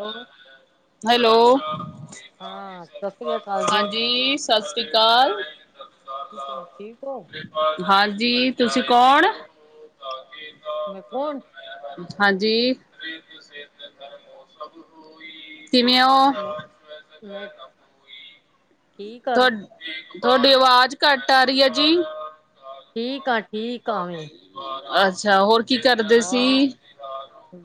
Hello hello ਹਾਂ ਸਤਿ ਸ੍ਰੀ ਅਕਾਲ ਜੀ ਹਾਂਜੀ ਸਤਿ ਸ਼੍ਰੀ ਅਕਾਲ ਕਿਸ ਤਰ੍ਹਾਂ ਠੀਕ ਹੋ ਹਾਂਜੀ ਤੁਸੀਂ ਕੌਣ ਮੈਂ ਕੌਣ ਹਾਂਜੀ [unintelligible] ਕਿਵੇਂ ਓ ਮੈਂ ਠੀਕ ਆ ਤੁਹਾ ਤੁਹਾਡੀ ਆਵਾਜ਼ ਘੱਟ ਆ ਰਹੀ ਹੈ ਜੀ। ਠੀਕ ਆ ਠੀਕ ਆਵੇਂ ਅੱਛਾ ਹੋਰ ਕੀ ਕਰਦੇ ਸੀ ਔਰ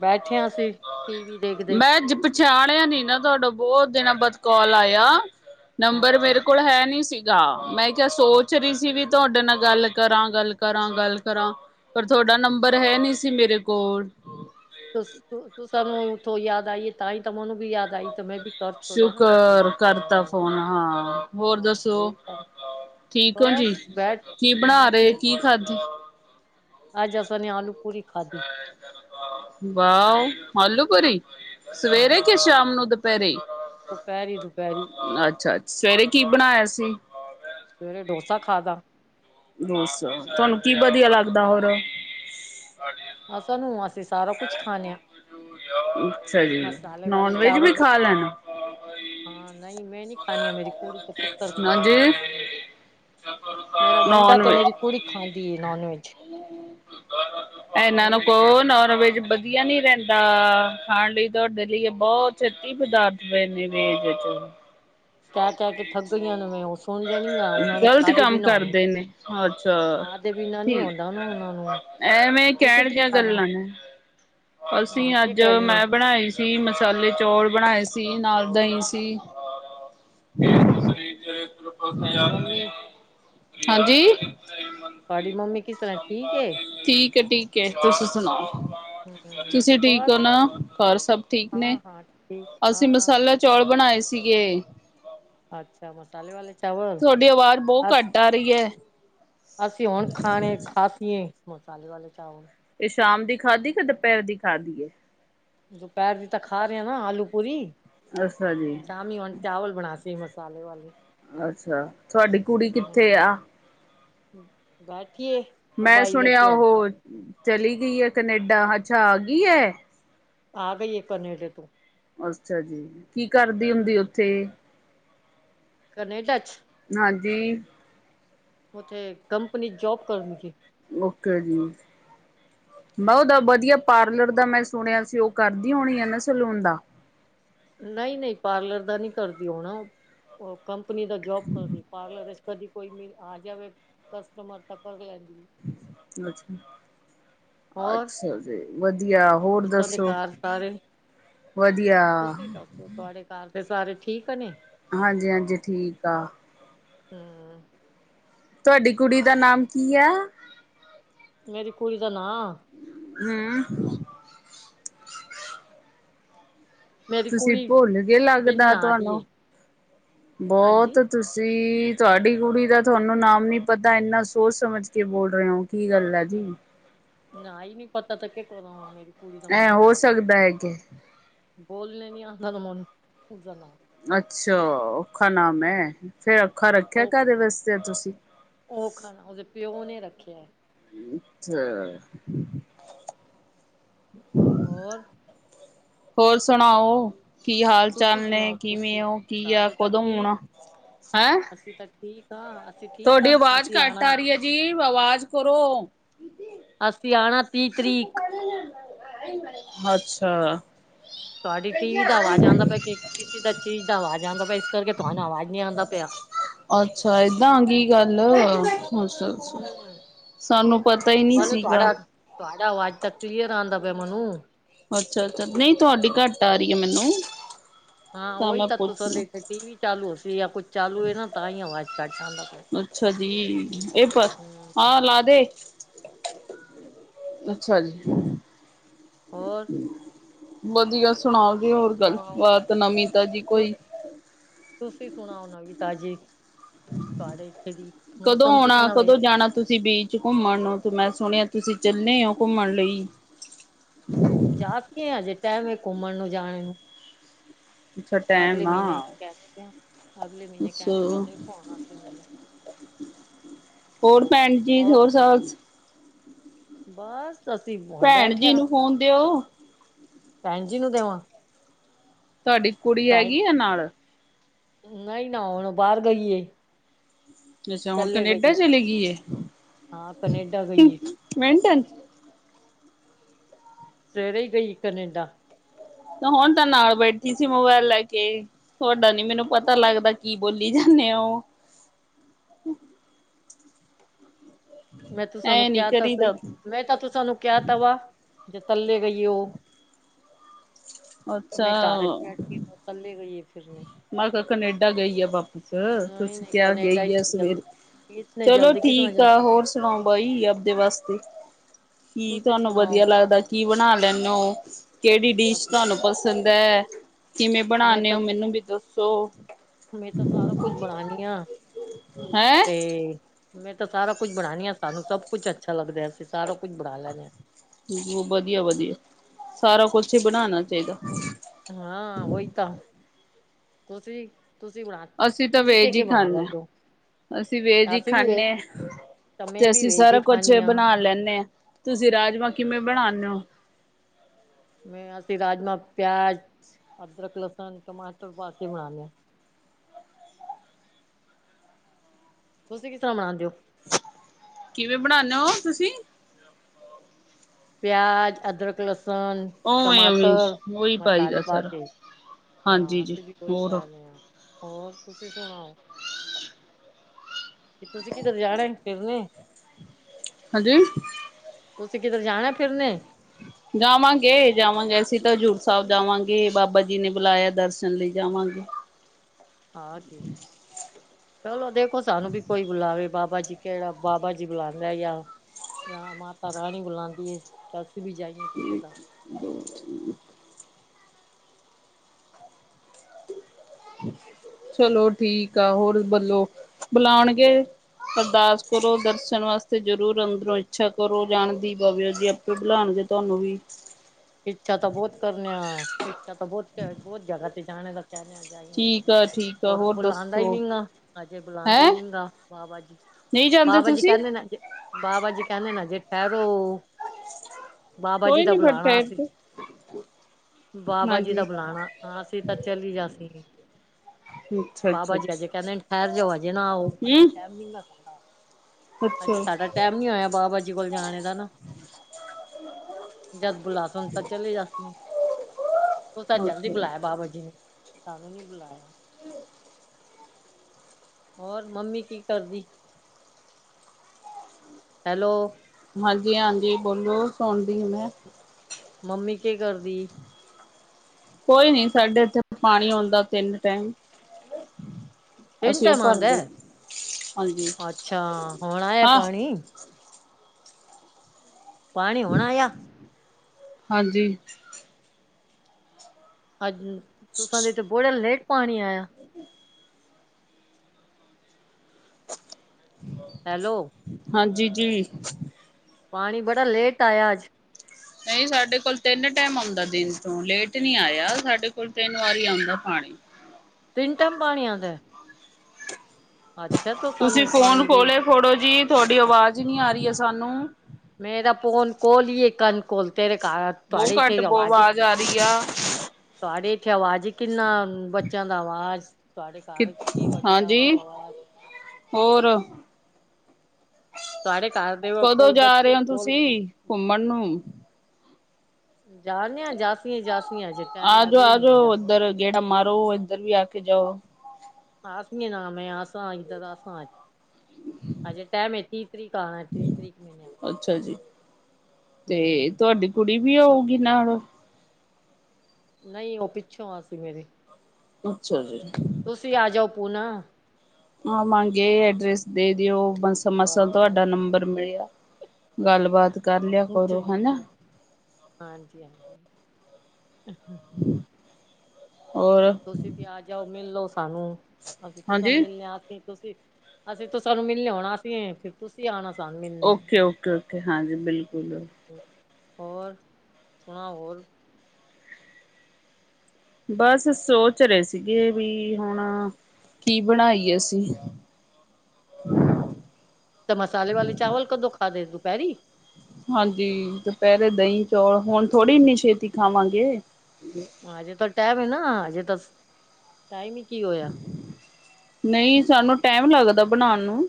ਬੈਠੇ ਅਸੀਂ ਟੀ ਵੀ ਦੇਖਦੇ ਮੈਂ ਅੱਜ ਜਾਣਿਆ ਨੀ ਨਾ ਤੁਹਾਡਾ ਬਹੁਤ ਦਿਨਾਂ ਬਾਅਦ ਕੋਲ ਆਇਆ ਨੰਬਰ ਅੱਛਾ ਮੇਰੇ ਕੋਲ ਅੱਛਾ ਹੈ ਨੀ ਸੀ। ਆ ਮੈਂ ਕਿਹਾ ਸੋਚ ਰਹੀ ਅੱਛਾ ਸੀ ਵੀ ਤੁਹਾਡੇ ਨਾਲ ਗੱਲ ਕਰਾਂ ਗੱਲ ਕਰਾਂ ਗੱਲ ਕਰਾਂ ਪਰ ਤੁਹਾਡਾ ਨੰਬਰ ਹੈ ਨਹੀਂ ਸੀ ਮੇਰੇ ਕੋਲ ਤੁ ਤੂੰ ਸਾਨੂੰ ਉੱਥੋਂ ਯਾਦ ਆਈ ਏ ਤਾਂ ਹੀ ਤਾਂ ਮਨੂੰ ਵੀ ਯਾਦ ਆਈ ਤਾਂ ਮੈਂ ਵੀ ਕਰ ਛੋੜਿਆ ਨਾ ਸ਼ੁਕਰ ਤੂੰੂੰ ਕਰਤਾ ਫੋਨ ਹਾਂ ਹੋਰ ਹਾਂ ਦੱਸੋ? ਓਹੀ ਤਾਂ ਠੀਕ ਹੋ ਜੀ ਬਸ ਬੈਠ ਕੀ ਬਣਾ ਹਾਂ ਰਹੇ ਠੀਕ ਆ ਕੀ ਖਾਧੇ ਅੱਜ ਅਸਾਂ ਨੇ ਆਲੂ ਪੂਰੀ ਖਾਧੀ। ਵਾਓ ਆਲੂ ਪੁੁਰੀ ਹਾਂ ਸਵੇਰੇ ਕੇ ਆਲੂ ਸ਼ਾਮ ਨੂੰ ਪੂਰੀ ਦੁਪਹਿਰੇ ਦੁਪਹਿਰੀ ਦੁਪਹਿਰੀ ਅੱਛਾ ਸਵੇਰੇ ਕੀ ਬਣਾਇਆ ਸੀ। ਸਵੇਰੇ ਡੋਸਾ ਖਾ ਦਾ ਬੱਸ ਤੁਹਾਨੂੰ ਕੀ ਵਧੀਆ ਲੱਗਦਾ ਹੋਰ ਹ ਸਾਨੂੰ ਅਸੀਂ ਸਾਰਾ ਕੁਛ ਖਾਣੇ ਆ ਅੱਛਾ ਜੀ ਨੋਨ ਵੈਜ ਵੀ ਖਾ ਲੈਣ ਹਾਂ ਨਹੀਂ ਮੈਂ ਨੀ ਖਾਣੀ ਆ ਮੇਰੀ ਕੁੜੀ ਤੇ ਪੁੱਤਰ ਖਾਣਾ ਮੇਰਾ ਹਾਂਜੀ। Non veg. ਮੇਰਾ ਮੁੰਡਾ ਨੋਨ ਤੇ ਵੈਜ ਮੇਰੀ ਕੁੜੀ ਖਾਂਦੀ ਨੋਨ ਵੈਜ। ਇਹਨਾਂ ਮੈਂ ਨੂੰ ਨੀ ਖਾਂਦੀ ਕਹੋ ਨੋਨ ਵਜ ਬ ਵਧੀਆ ਨੀ ਰਹਿੰਦਾ ਖਾਣ ਲਈ ਤੁਹਾਡੇ ਲਈ ਇਹ ਬਹੁਤ ਸ਼ੱਤੀ ਪਦਾਰਥ ਪਏ ਨੇ ਵੇ [unintelligible] ਕਹਿ ਕਹਿ ਕੇ ਥਕ ਗਈ ਓਹਨਾ ਨੂੰ ਮੈਂ ਉਹ ਸੁਣ ਲਣੀ ਨਾ ਉਹਨਾ ਨੂੰ ਗ਼ਲਤ ਖਾ ਦੇ ਵੀ ਕੰਮ ਨਾ ਕਰਦੇ ਨੇ ਅੱਛਾ ਖਾਧੇ ਬਿਨਾ ਨੀ ਠੀਕ ਆਉਂਦਾ ਨਾ ਉਹਨਾਂ ਨੂੰ ਐਵੇਂ ਤੁਸੀਂ ਕਹਿਣ ਕੀ ਦੀਆ ਖਾਣਾ ਗੱਲਾਂ ਏ [inaudible] ਅਸੀਂ ਕੀ ਅੱਜ ਕਰੀਏ ਮੈਂ ਬਣਾਈ ਸੀ ਮਸਾਲੇ ਚੋਲ ਬਣਾਏ। ਸੀ ਨਾਲ ਦਹੀਂ ਸੀ। ਹਮ ਸਾਡੀ ਮੰਮੀ ਹਾਂਜੀ ਠੀਕ ਤੁਹਾਡੀ ਮੰਮੀ ਕਿਸ ਤਰ੍ਹਾਂ ਆ ਠੀਕ ਏ ਠੀਕ ਆ ਠੀਕ ਕਿ ਤੁਸੀ ਸੁਣਾਓ ਹੂੰ ਤੁਸੀਂ ਠੀਕ ਹੋ ਬਸ ਨਾ ਹੋਰ ਸਭ ਠੀਕ ਨੇ। ਹਾਂ ਹਾਂ ਠੀਕ ਅਸੀਂ ਹਾਂ ਮਸਾਲਾ ਚੌਲ ਬਣਾਏ ਸੀਗੇ। ਅੱਛਾ ਮਸਾਲੇ ਵਾਲੇ ਚਾਵਲ ਤੁਹਾਡੀ ਆਵਾਜ਼ ਬਹੁਤ ਅਸ ਘੱਟ ਆ ਰਹੀ ਹੈ। ਅਸੀਂ ਹੁਣ ਖਾਣੇ ਖਾਸੀਏ ਮਸਾਲੇ ਵਾਲੇ ਚਾਵਲ। ਇਹ ਸ਼ਾਮ ਦੀ ਖਾਧੀ ਕਿ ਦੁਪਹਿਰ ਦੀ ਖਾਧੀ। ਦੁਪਹਿਰ ਦੀ ਤਾਂ ਖਾ ਰਹੇ ਨਾ ਆਲੂ ਪੂਰੀ ਅੱਛਾ ਜੀ, ਸ਼ਾਮੀ ਹੁਣ ਚਾਵਲ ਬਣਾ ਸੀ ਮਸ ਮਸਾਲੇ ਵਾਲੇ ਅੱਛਾ ਤੁਹਾਡੀ ਕੁੜੀ ਕਿੱਥੇ ਆ? ਘਟ ਮੈਂ ਸੁਣਿਆ ਉਹ ਚਲੀ ਗਈ ਹੈ ਕਨੇਡਾ ਅੱਛਾ ਆ ਗਈ ਹੈ। ਆ ਗਈ ਹੈ ਕਨੇਡੇ ਤੋਂ ਅੱਛਾ ਜੀ ਕੀ ਕਰਦੀ ਹੁੰਦੀ ਉੱਥੇ ਕੈਨੇਡਾ ਚ ਹਾਂਜੀ ਉਥੇ ਕੰਪਨੀ ਜੋਬ ਕਰਦੀ। ਓਕੇ ਜੀ। ਮੈਂ ਉਹਦਾ ਵਧੀਆ ਪਾਰਲਰ ਦਾ ਮੈਂ ਸੁਣਿਆ ਸੀ। ਉਹ ਕਰਦੀ ਹੋਣੀ ਆ ਨਾ ਸਲੂਨ ਦਾ, ਨਹੀਂ ਨਹੀਂ ਪਾਰਲਰ ਦਾ ਨਹੀਂ ਕਰਦੀ ਹੁਣ ਉਹ ਕੰਪਨੀ ਦਾ ਜੋਬ ਕਰਦੀ ਪਾਰਲਰ ਚ ਕਦੀ ਕੋਈ ਆ ਜਾਵੇ ਕਸਟਮਰ ਤਾਂ ਕਰ ਲੈਂਦੇ। ਅੱਛਾ। ਹੋਰ ਅੱਛਾ ਜੀ ਵਧੀਆ ਹੋਰ ਤੁਸਾਂ ਦੇ ਦੱਸੋ। ਘਰ ਸਾਰੇ ਵਧੀਆ, ਤੁਸੀਂ ਦੱਸੋ ਤੁਹਾਡੇ ਘਰ ਦੇ ਸਾਰੇ ਠੀਕ ਨੇ। ਹਾਂਜੀ ਹਾਂਜੀ ਠੀਕ ਆ। ਹਮ। ਤੁਹਾਡੀ ਕੁੜੀ ਦਾ ਨਾਮ ਕੀ ਆ? ਮੇਰੀ ਕੁੜੀ ਦਾ ਨਾਂ। ਹਮ। ਮੇਰੀ ਤੁਸੀਂ ਕੁੜੀ ਭੁੱਲ ਕੇ ਬਿਨ ਲੱਗਦਾ। ਨਾਂ ਦੀ ਏ ਤੁਹਾਨੂੰ ਬਹੁਤ ਹਾਂਜੀ ਤੁਸੀਂ ਤੁਹਾਡੀ ਕੁੜੀ ਦਾ ਤੁਹਾਨੂੰ ਨਾਮ ਨੀ ਪਤਾ ਇੰਨਾ ਸੋਚ ਸਮਝ ਕੇ ਬੋਲ ਰਹੇ ਹੋ ਕੀ ਗੱਲ ਹੈ ਜੀ। ਹਮ। ਨਾ ਹੀ ਨੀ ਪਤਾ ਤਾਂ ਕਿ ਕਦੋਂ ਹੁਣ ਮੇਰੀ ਕੁੜੀ ਦਾ ਐਂ ਹੋ ਮੁੰਡਾ ਸਕਦਾ ਹੈ ਕਿ ਬੋਲਣੇ ਨੀ ਆਉਂਦਾ ਮਨੂੰ ਜਾਂਦਾ। ਅੱਛਾ ਔਖਾ ਨਾਮ ਹੈ ਫਿਰ ਉਹ ਉਹ ਖਾਣਾ ਉਹਦੇ ਪਿਓ ਨੇ ਰੱਖਿਆ। ਅੱਛਾ। ਹੋਰ। ਹੋਰ ਸੁਣਾਓ। ਕੀ ਹਾਲ ਤੁਸੀਂ ਚਾਲ ਨੇ, ਸੁਣਾਓ ਕਿਵੇਂ ਤੁਸੀਂ ਉਹ ਕੀ ਆ ਸਾਡੇ ਤਾਂ ਠੀਕ ਅਸੀਂ ਤਾਂ ਠੀਕ ਹਾਂ ਅਸੀਂ ਠੀਕ ਤੁਹਾਡੀ ਹਾਂ ਆਵਾਜ਼ ਅਸੀਂ ਘੱਟ ਆਉਣਾ ਆ ਰਹੀ ਹੈ ਜੀ ਆਵਾਜ਼ ਕਰੋ। ਅਸੀਂ ਆਉਣਾ ਤੀਹ ਤਰੀਕ। ਅੱਛਾ। ਤੁਹਾਡੀ ਟੀ ਵੀ ਦਾ ਆਵਾਜ਼ ਆਉਂਦਾ ਪਿਆ ਕਿਸੇ ਦਾ ਚੀਜ਼ ਦਾ ਆਵਾਜ਼ ਆਉਂਦਾ ਕਰਕੇ ਤੁਹਾਨੂੰ ਆਵਾਜ਼ ਨਹੀਂ ਆਉਂਦਾ ਪਿਆ ਅੱਛਾ ਏਦਾਂ ਕੀ ਗੱਲ। ਅੱਛਾ ਹਮ ਸਾਨੂੰ ਪਤਾ ਹੀ ਨਹੀਂ ਉਹਨੂੰ ਸੀਗਾ ਤੁਹਾਡਾ ਤੁਹਾਡਾ ਅਵਾਜ਼ ਤਾਂ ਕਲੀਅਰ ਆਉਂਦਾ। ਮੈਨੂੰ। ਅੱਛਾ-ਅੱਛਾ ਨਹੀਂ ਤੁਹਾਡੀ ਘੱਟ ਆ ਰੀ ਏ ਮੈਨੂੰ। ਹਾਂ ਉਹੀ ਮੈਂ ਤਾਂ ਤੁ ਪੁੱਛ ਰੀ ਸੁਦੇ ਟੀ ਵੀ ਚਾਲੂ ਹੋ ਸੀ ਜਾਂ ਕੁਛ ਚਾਲੂ ਨਾ ਤਾਂ ਹੀ ਆਵਾਜ਼ ਕੱਟ ਆਂਦਾ ਪਿਆ। ਜ ਇਹ ਪਰ ਹਾਂ ਲਾ ਦੇ। ਅੱਛਾ ਜੀ। ਹੋਰ। ਵਧੀਆ ਸੁਣਾਓ ਜੇ ਹੋਰ ਗੱਲ ਸੁਣਾਓ ਬਾਤ ਨਵੀ ਤਾਜੀ ਤੁ ਕੋਈ। ਤੁਸੀਂ ਸੁਣਾਓ ਨਵੀ ਤਾਜ਼ੀ। ਤੁਹਾਡੇ ਇੱਥੇ ਦੀ ਕਦੋਂ ਮੌਸਮ ਕਿਸ ਆਉਣਾ ਤਰ੍ਹਾਂ ਵੇ ਕਦੋਂ ਜਾਣਾ ਤੁਸੀਂ ਬੀਚ ਘੁੰਮਣ ਨੂੰ ਤੇ ਮੈਂ ਸੁਣਿਆ ਤੁਸੀਂ ਚੱਲੇ ਹੋ ਘੁੰਮਣ ਲਈ- ਜਾ ਕੀ ਏ ਹਜੇ ਟੈਮ ਏ ਘੁੰਮਣ ਨੂੰ ਜਾਣ ਨੂੰ। ਅੱਛਾ ਟੈਮ ਅਗਲੇ ਆ। ਮਹੀਨੇ ਕਹਿੰਦੇ ਪਿਆ ਅਗਲੇ ਮਹੀਨੇ ਅੱਛਾ ਕਹਿਣੇ ਪਏ ਦੇਖੋ ਹੁਣ ਆਂਦੇ ਪਏ ਨੇ ਹੋਰ ਪੈਣ ਜੀ ਹੋਰ ਸੱਸ- ਬਾਸ। ਪੈਣ ੱਜੀ ਨੂੰ ਫੋਨ ਦਿਓ। ਭੈਣ ਜੀ ਨੂੰ ਦੇਵਾਂ ਤੁਹਾਡੀ ਕੁੜੀ ਭੈਣ ਹੈਗੀ ਏ ਨਾਲ। ਨਹੀਂ ਨਾ ਹੁਣ ਬਾਹਰ ਗਈ ਏ। ਅੱਛਾ ਹੁਣ ਕਨੇਡਾ ਚਲੇ ਗਈ ਏ ਹਾਂ ਕਨੇਡਾ ਗਈਏ ਸਵੇਰੇ ਹੀ ਗਈ ਕਨੇਡਾ। ਹੁਣ ਤਾਂ ਨਾਲ ਬੈਠੀ ਸੀ ਮੋਬਾਇਲ ਲੈ ਕੇ ਤੁਹਾਡਾ ਨੀ ਮੈਨੂੰ ਪਤਾ ਲੱਗਦਾ ਕੀ ਬੋਲੀ ਜਾਂ- ਨੇ ਉਹ- [inaudible] ਮੈਂ ਤੂੰ ਸਾ ਨੂੰ ਐ ਨੀ ਕਿਹਾ ਤਾ ਕਰੀ ਦਾ ਸਹੀ ਮੈਂ ਤ ਤੂੰ ਸਾ ਨੂੰ ਕਿਹਾ ਤਾ ਵਾ। ਜੇ ਤੱਲੇ ਗਈ ਉਹ- ਅੱਛਾ ਮੈਂ ਘੱਰ ਤ ਬੈਠੀ ਆਂ ਉਹ ਥੱਲੇ ਗਈ ਏ ਫਿਰਨੇ ਮੈ ਕਿਹਾ ਕਨੇਡਾ ਗਈ ਆ ਵਾਪਿਸ ਨਹੀਂ ਤੁਸੀ ਨਹੀਂ ਕਿਆ ਕਨੇਡਾ ਗਈ ਆ ਇਤਨੀ ਸਵੇਰੇ ਜਲਦੀ ਇਤਨੇ ਚਲੋ ਜਲਦੀ ਕਿਸ ਨਾਲ ਠੀਕ ਜਾ ਆ ਸਕ ਹੋਰ ਸੁਣਾਓ ਬਾਈ ਆਪਦੇ ਵਾਸਤੇ ਕੀ ਤੁਸੀਂ ਤੁਹਾਨੂੰ ਸੁਣਾਓ ਵਧੀਆ ਲਗਦਾ ਕੀ ਬਣਾ ਲੈਣੇ ਓ ਕਿਹੜੀ ਡਿਸ਼ ਅਸੀਂ ਤੁਹਾਨੂੰ ਪਸੰਦ ਐ? ਕਿਵੇ ਮੈਂ ਬਣਾਣੇ ਤਾਂ ਓ ਮੈਨੂੰ ਵੀ ਦਸ ਮੈਂ ਤਾਂ ਸਾਰਾ ਕੁਝ ਬਣਾਣੀ ਹਾਂ ਹੈਂ ਤੇ ਮੈ ਤਾਂ ਸਾਰਾ ਕੁਛ ਬਣਾਨੀ ਆ ਸਾਨੂੰ ਸਭ ਕੁਛ ਅੱਛਾ ਲੱਗਦਾ ਅਸੀ ਸਾਰਾ ਕੁਛ ਬਣਾ ਲੈਣੇ ਹਾਂ ਵਧੀਆ- ਵਧੀਆ ਸਾਰਾ ਕੁਛ ਹੀ ਬਣਾਣਾ ਚਾਹੀਦਾ ਹਾਂ ਓਹੀ ਤਾਂ ਤੁਸੀ- ਤੁਸੀ ਬਣਾ ਤੁਸੀ ਕੇ ਕੇ ਬਣਾ ਲੈਦੇ ਹੋ ਅਸੀ ਵੀਰ ਤਾਂ ਜੀ ਅਸੀਂ ਵੀ ਵੇ ਖਾਣੇ ਆ ਤਾਂ ਮੈਂ ਤੇ ਵੀ ਅਸੀ ਵੇਜ ਸਾਰਾ ਹੀ ਕੁਛ ਖਾਣੀ ਆ ਬਣਾ ਲੈਂਣੇ ਹਾਂ ਤੁਸੀ ਰਾਜਮਾਂ ਕਿਵੇ ਬਣਾਣੇ ਓ- ਮੈਂ ਅਸੀ ਰਾਜਮਾ ਪਿਆਜ, ਅਦਰਕ, ਲਸਣ, ਟਮਾਟਰ ਪਾ ਕੇ ਬਣਾਣੇ ਆ। ਤੁਸੀ ਕਿਸ ਤਰਾ ਬਣਾਦੇ ਹੋ? ਕਿਵੇ ਬਣਾਣੇ ਹੋ ਤੁਸੀ? ਪਿਆਜ, ਅਦਰਕ, ਲਸਣ, ਉਵੇਂ ਉਵੇਂ ਟਮਾਟਰ ਉਹੀ ਪਾਈ ਮਸਾਲੇ ਦਾ ਪਾ ਸਾਰਾ ਕੇ ਹਾਂਜੀ ਹਾਂ ਜੀ ਅਸੀ ਵੀ ਵਈ ਹੋਰ ਪਾਏ ਨੇ ਆ ਹੋਰ ਤੁਸੀ ਸੁਣਾਓ- ਕੀ ਤੁਸੀ ਕਿਤੇਰ ਜਾਣਾ ਫਿਰਨੇ ਹਾਂਜੀ- ਤੁਸੀ ਕਿਧਰ ਜਾਣਾ ਫਿਰਨੇ? ਜਾਵਾਂਗੇ- ਜਾਵਾਔਗੇ ਅਸੀ ਤਾਂ ਹਜ਼ੂਰ ਸਾਹਿਬ ਜਾਵਾਂਗੇ ਬਾਬਾ ਜੀ ਨੇ ਬੁਲਾਇਆ ਦਰਸ਼ਨ ਲਈ ਜਾਵਾਗੇ ਹਾਂ ਕੀ ਚਲੋ ਦੇਖੋ ਸਾਨੂੰ ਵੀ ਕੋਈ ਬੁਲਾਵੇ ਬਾਬਾ ਜੀ ਜੀ ਕਿ ਕਿਹੜਾ ਬਾਬਾ ਜੀ ਬੁਲਾਂਦਾ ਯਾ ਮਾਤਾ ਰਾਣੀ ਬੁਲਾਉਦੀ‌ ਏ- ਅਸੀਂ ਵੀ ਜਾਈਏ ਕਿਥੇ ਤਾਂ- ਚਲੋ ਠੀਕ ਆ ਹੋਰ ਬੋਲੋ ਬੁਲਾਉਣਗੇ ਅਰਦਾਸ ਕਰੋ ਦਰਸ਼ਨ ਵਾਸਤੇ ਜ਼ਰੂਰ ਅੰਦਰੋਂ ਇਛਾ ਕਰੋ ਜਾਣਦੀ ਬਾਬਾ ਜੀ ਆਪੇ ਬੁਲਾਉਣ ਜੇ ਤੁਹਾਨੂੰ ਵੀ- ਇਛਾ ਤਾਂ ਬਹੁਤ ਕਰਨ ਆ ਇਛਾ ਤਾਂ ਬਹੁਤ- ਬਹੁਤ ਜਗਾ ਤੇ ਜਾਣੇ ਦਾ ਕਹਿਣਾ ਜਹੀਏ- ਠੀਕ ਆ ਠੀਕ ਆ ਪਰ ਉਹ ਹੋਰ ਬੁਲਾਉਦਾ ਦੱਸੋ ਨੀ ਗਾ ਅਜੇ ਬੁਲਾਉਦਾ ਹੈਂ ਈ ਨੀ ਗਾ ਬਾਬਾ ਜੀ ਨਹੀਂ ਜਾਂਦੇ ਬਾਬਾ ਜੀ ਤੁਸੀਂ ਕਹਿਦੇ ਨਾ ਜੇ ਬਾਬਾ ਜੀ ਕਹਿਦੇ ਨਾ ਜੇ ਠਹਿਰੋ ਬਾਬਾ ਜੀ ਕੋਈ ਦਾ ਨੀ ਫਿਰ ਬੁਲਾਣਾ- ਠਹਿਰ ਕੇ ਬਾਬਾ ਜੀ ਹਾਂਜੀ ਦਾ ਬੁਲਾਣਾ ਹਾਂ ਅਸੀ ਤਾਂ ਚੱਲ ਜਾਸੀ ਅੱਛਾ ਅੱਛਾ ਬਾਬਾ ਅੱਛਾ ਜੀ ਅਜੇ ਕਹਿਦੇ ਠਹਿਰ ਜਾਓ ਹਜੇ ਨਾ ਆਓ ਆਜੇ ਹਮ ਟਾਈਮ ਨਹ ਲਗਦਾ ਅਜੇ ਅੱਛਾ ਸਾਡਾ ਟਾਈਮ ਨੀ ਹੋਇਆ ਬਾਬਾ ਜੀ ਕੋਲ ਜਾਣੇ ਦਾ ਨਾ ਜਦ ਬੁਲਾਸ- ਹੁਣ ਤਾਂ ਚਲੇ ਜਾਸੀਏ ਜਲਦੀ ਅੱਛਾ ਬੁਲਾਇਆ ਬਾਬਾ ਜੀ ਨੇ ਸਾਨੂੰ ਨੀ ਬੁਲਾਇਆ- [unintelligible] ਹੋਰ ਮੰਮੀ ਕੀ ਕਰਦੀ ਹੈਲੋ ਹਾਂਜੀ- ਹਾਂਜੀ ਬੋਲੋ ਸੁਣਦੀ ਹ ਮੈ ਮੰਮੀ ਕੇ ਕਰਦੀ- ਕੋਈ ਨੀ ਸਾਡੇ ਇਥੇ ਪਾਣੀ ਆਉਦਾ ਤਿਨ ਟਾਈਮ ਤਿੰਨ ਅਸੀ ਉਹ ਟਾਈਮ ਆਉਂਦਾ ਭਰਦੇ- ਹੈ? ਹਾਂਜੀ ਅੱਛਾ ਹੋਣਾ ਹੈ। ਹਾਂ ਪਾਣੀ- ਪਾਣੀ ਹੋਣਾ ਆ- ਹਾਂਜੀ- ਅੱਜ ਤੁ ਸ ਦੇ ਇੱਥੇ ਬੋੜਾ ਲੇਟ ਪਾਣੀ ਆਇਆ ਹੈਲੋ ਹਾਂਜੀ ਜੀ ਪਾਣੀ ਬੜਾ ਲੇਟ ਆਇਆ ਅੱਜ ਨਹੀਂ ਸਾਡੇ ਕੋਲ ਤਿੰਨ ਟਾਈਮ ਆਉਂਦਾ ਦਿਨ ਤੋਂ ਲੇਟ ਨੀ ਆਇਆ ਸਾਡੇ ਕੋਲ ਤਿੰਨ ਵਾਰੀ ਆਉਂਦਾ ਪਾਣੀ [inaudible] ਤਿੰਟਮ ਪਾਣੀਆਂ ਆਂਦਾ ਤੁਸੀਂ ਫੋਨ ਪਾਣੀ ਦੀ ਖੋਲੇ ਫੋੜੋ ਜੀ ਤੁਹਾਡੀ ਆਵਾਜ਼ ਹੀ ਨਹੀਂੀ ਆ ਰਹੀ ਹੈ ਸਾਨੂੰ ਮੇਰਾ ਫੋਨ ਕੋਲਈਏ ਕੰਨ ਕੋਲ ਤੇਰੇ ਬਹੁਤ ਘੱਟ ਤੁਹਾਡੀੇਥੇ ਆਵਾਜ਼ ਹੀ ਆ ਰਹੀ ਆ ਸਾੜੇ ਇੱਥੇ ਆਵਾਜ਼ ਹੀ ਕਿੰਨਾ ਬੱਚਿਆਂ ਦਾ ਆਵਾਜ਼ ਤੁਹਾਡੇ ਕਿ ਘਰ ਚ ਕੀ ਵੱਜਦਾ ਹਾਂਜੀ ਉਹ ਆਵਾਜ਼ ਹੋਰ ਤੁਹਾਡੇ ਘਰ ਦੇ ਕਦੋਂ ਕੋਲ ਜਾ ਰਹੇ ਬੱਚੇ ਹੋ ਕੋਲ ਤੁਸੀਂ ਘੁੰਮਣ ਨੂੰ ਜਾਨ ਆ ਜਾਸੀਏ ਜਾਸੀ ਆ ਜਾਓ ਆ ਜਾਓ ਉੱਧਰ ਗੇੜਾ ਮਾਰੋ ਇੱਧਰ ਵੀ ਆ ਕੇ ਜਾਓ ਅਸੀ ਨਾ ਮੈਂ ਆਸ ਹ ਇੱਦਰ ਆਸਾਂ ਅਜੇ ਟੈਮੇ ਤਰੀਕ ਆ ਤੀਹ ਤਰੀਕ ਮਹੀਨੇ ਅੱਛਾ ਜੀ ਤੇ ਹੂੰ ਤੁਹਾਡੀ ਕੁੜੀ ਵੀ ਆਊਗੀ ਨਾਲ ਨਹੀਂ ਉਹ ਪਿੱਛੋਂ ਆ ਸੀ ਮੇਰੀ ਅੱਛਾ ਜੀ ਪੁਣਾ ਆਵਾਂਗੇ ਐਡਰੈਸ ਦੇ ਦਿਓ ਬਸ ਮਸਾ ਸੋਰੀ ਤੁਹਾਡਾ ਸੋਰੀ ਨੰਬਰ ਮਿਲਿਆ ਗੱਲਬਾਤ ਕਰ ਨ ਲਿਆ ਕਰੋ ਹਨਾ ਹਾਂਜੀ ਹਾਂਜੀ ਅਮ [unintelligible] ਹੋਰ ਤੁਸੀਂ ਵੀ ਆ ਜਾਓ ਮਿਲ ਲੋ ਸਾਨੂੰ ਅਸੀਂ ਤੁ ਸਾਨੂੰ ਹਾਂਜੀ ਮਿਲਣੇ ਹ ਅਸੀ ਤੁਸੀਂ ਅਸੀਂ ਤੂੰ ਸਾਨੂੰ ਮਿਲ ਲ ਹੋਣਾ ਅਸੀਂ ਫਿਰ ਤੁਸੀਂ ਆਉਣਾ ਓਕੇ ਓਕੇ ਓਕੇ ਹਾਂਜੀ ਬਿਲਕੁਲ ਹੋਰ, ਸੁਣਾ ਹੋਰ ਬਸ ਸੋਚ ਰਹੇ ਸੀਗੇ, ਵੀ ਹੁਣ ਕੀ ਬਣਾਈਯੇ ਅਸੀਂ ਤਾਂ ਮਸਾਲੇ ਵਾਲੇ ਚਾਵਲ ਕਦੋਂ ਖਾਦੇ, ਦੁਪਹਿਰੀ ਹਾਂਜੀ ਦੁਪਹਿਰੇ ਦਹੀਂ ਚੌਲ, ਹੁਣ ਥੋੜ੍ਹੀ ਇੰਨੀ ਛੇਤੀ ਖਾਵਾਂਗੇ। ਹਜੇ ਤਾਂ ਟੈਮ ਹੈ ਨਾ, ਹਜੇ ਤਾਂ ਟਾਈਮ ਹੀ ਕੀ ਹੋਇਆ ਨਹੀਂ ਸਾਨੂੰ ਟਾਈਮ ਲੱਗਦਾ ਬਣਾਉਣ ਨੂੰ,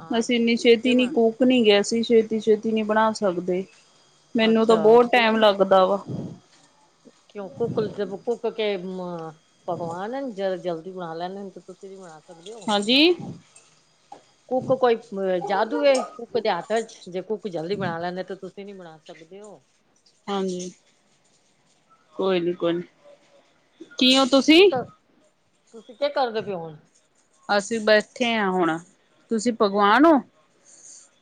ਹਾਂ ਅਸੀਂ ਕੀ ਇੰਨੀ ਛੇਤੀ, ਇਹ ਨੀ ਬਣਾ ਕੁਕ ਨੀ ਹੈਗੇ ਅਸੀ। ਛੇਤੀ ਛੇਤੀ ਨਹੀਂ ਬਣਾ ਸਕਦੇ, ਮੈਨੂੰ ਤਾਂ ਅੱਛਾ ਬਹੁਤ ਕਿਉਂ ਟਾਈਮ ਲੱਗਦਾ ਵਾ ਕਿਉਂ ਕੂਕ, ਜੇ ਕੁਕ ਐ ਭਗਵਾਨ ਅਨ, ਜਲਦੀ ਬਣਾ ਲੈਂਦੇ, ਤੇ ਤੁਸੀਂ ਨ ਬਣਾ ਸਕਦੇ ਹੋ। ਹਾਂਜੀ ਕੁੱਕ ਕੋਈ ਜਾਦੂ ਏ, ਕੁੱਕ ਦੇ ਹੱਥ ਚ ਜੇ ਕੁੱਕ ਜਲਦੀ ਬਣਾ ਲੈਂਦੇ, ਤੇ ਤੁਸੀਂ ਤੁਸੀ ਨੀ ਬਣਾ ਸਕਦੇ ਹੋ ਹਾਂਜੀ ਕੋਈ ਨੀ, ਕੋਈ ਨੀ ਕੀ ਹੋ ਤੁਸੀਂ ਕੀ ਕਰ ਤੁਸੀਂ ਕਿ ਕਰਦੇ ਪਏ ਔ, ਹੁਣ ਅਸੀਂ ਬੈਠੇ ਆ ਹੁਣ, ਤੁਸੀਂ ਭਗਵਾਨ ਹੋ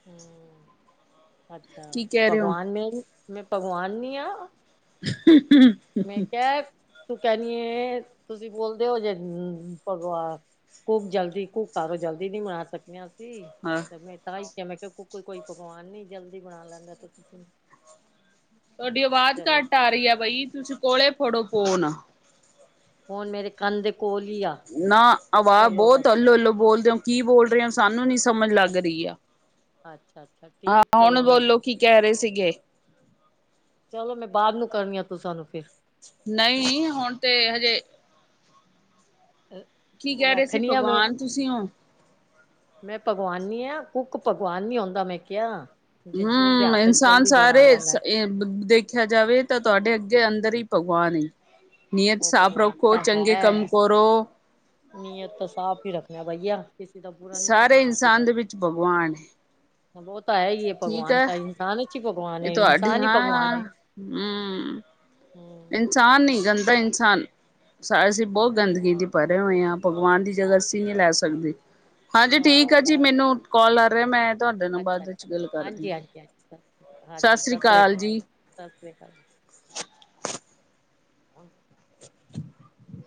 ਹੂ ਅੱਛਾ ਕੀ ਕਹਿ ਰਹੇ ਹੋ ਭਗਵਾਨ ਨਈ, ਮੈਂ ਭਗਵਾਨ ਨੀ ਆ ਮੈਂ ਕਿਹਾ [unintelligible] ਤੂੰ ਕਹਿਣੀ ਏ, ਤੁਸੀਂ ਬੋਲਦੇ ਹੋ ਜੇ ਭਗਵਾਨ ਘੂਕ ਜਲਦੀ ਘੂ ਘੋ ਜਲਦੀ ਨੀ ਮਨਾ ਸਕੀਆਂ ਅਸੀਂ ਹਾਂ ਤੇ ਮੈਂ ਤ ਤੇ ਮੈਂ ਕਿਹਾ, ਕੁੱਕ ਕੋਈ ਪਗਵਾਨ ਨੀ ਜਲਦੀ ਬਣਾ ਲੈਂਦਾ, ਤੇ ਤੁਸੀਂ ਤੁਹਾਡੀ ਆਵਾਜ਼ ਚਲੋ ਘੱਟ ਆ ਰਹੀ ਹੈ ਬਈ, ਤੁਸੀਂ ਕੋਲੇ ਫੜੋ ਫੋਨ ਹੁਣ ਮੇਰੇ ਕੰਨ ਦੇ ਕੋਲ ਹੀ ਆ ਨਾ ਆਵਾਜ਼ ਚਲੋ ਅੱ ਬਹੁਤ ਅਲੋ ਅੱਲੋ ਬੋਲਦੇ ਹੋ, ਕੀ ਬੋਲ ਰਹੇ ਹੋ ਸਾਨੂੰ ਨੀ ਸਮਝ ਲੱਗ ਰਹੀ ਆ, ਅੱਛਾ ਅੱਛਾ ਹਾਂ ਠੀਕ ਹੁਣ ਚਲੋ ਮੈਂ ਬੋਲੋ ਕੀ ਕਹਿ ਰਹੇ ਸੀਗੇ। ਚਲੋ ਮੈਂ ਬਾਅਦ ਨੂੰ ਕਰਨੀ ਆ ਤੁਸਾਂ ਨੂੰ ਫਿਰ ਨਹੀਂ ਹੁਣ ਤੇ ਹਜੇ ਕੀ ਕਹਿ ਰਹੇ ਸੀ ਰੱਖਣ ਆ ਮੈਂ ਭਗਵਾਨ ਤੁਸੀਂ ਹੋ। ਮੈਂ ਭਗਵਾਨ ਨਈ ਆਂ। ਕੁੱਕ ਭਗਵਾਨ ਨੀ ਹੋਂਦਾ ਦਾ, ਮੈਂ ਕਿਹਾ ਜੇ ਉਸਦੇ ਹੂ, ਹੱਥ ਇਨਸਾਨ ਜਲਦੀ ਬਣਾ ਸਾਰੇ ਲੈਂਦਾ ਦੇਖਿਆ ਜਾਵੇ, ਤਾਂ ਤੁਹਾਡੇ ਅੱਗੇ ਜੇ ਅੰਦਰ ਹੀ ਭਗਵਾਨ ਹੈ। ਔ ਭਗਵਾਨ ਤਾਂ ਹੈ, ਕਰੋ। ਨੀਅਤ ਸਾਫ਼ ਹੀ ਰੱਖਣਾ ਬਈਆ ਸਾਰੇ ਇਨਸਾਨ ਦੇ ਵਿੱਚ ਭਗਵਾਨ ਹੈ। ਔ ਤਾਂ ਹੈ ਹੀ ਹੈ ਭਗਵਾਨ ਤਾਂ, ਇਨਸਾਨ ਇਚ ਹੀ ਭਗਵਾਨ ਹੈ, ਇਹ ਤੁਹਾਡੀ ਇਨਸਾਨ ਹੀ ਭਗਵਾਨ ਹਾਂ ਹੈ। ਹਮ ਹਮ ਇਨਸਾਨ ਨੀ ਅੱਛਾ ਗੰਦਾ ਇਨਸਾਨ ਅਸੀਂ ਬਹੁਤ ਗੰਦਗੀ ਦੀ ਭਰੇ ਹੋਏ ਆਂ। ਭਗਵਾਨ ਦੀ ਜਗ੍ਹਾ ਅਸੀਂ ਨੀ ਲੈ ਸਕਦੇ, ਹਾਂਜੀ ਠੀਕ ਆ ਜੀ ਮੈਨੂੰ ਕਾਲ ਕਰ ਰਿਹਾ, ਮੈਂ ਤੁਹਾਡੇ ਨਾਲ ਅੱਛਾ ਬਾਅਦ ਵਿੱਚ ਅੱਛਾ ਗੱਲ ਕਰਦੀ ਹਾਂਜੀ ਹਾਂਜੀ ਹਾਂਜੀ ਸਤਿ ਸ੍ਰੀ ਅਕਾਲ ਸਤਿ ਸ੍ਰੀ ਅਕਾਲ ਜੀ ਹੁਣ [unintelligible]